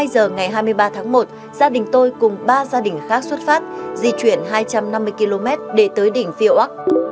hai mươi giờ ngày hai mươi ba tháng một gia đình tôi cùng ba gia đình khác xuất phát di chuyển hai trăm năm mươi km để tới đỉnh phiêu ốc